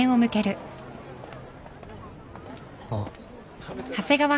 あっ。